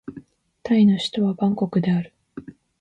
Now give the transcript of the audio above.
タイの首都はバンコクである